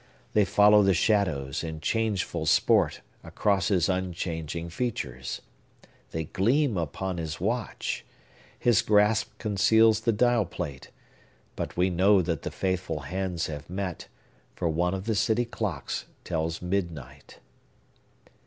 They follow the shadows, in changeful sport, across his unchanging features. They gleam upon his watch. His grasp conceals the dial plate,—but we know that the faithful hands have met; for one of the city clocks tells midnight.